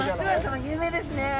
有名ですね。